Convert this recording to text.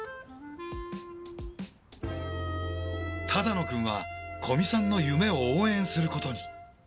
只野くんは古見さんの夢を応援することに。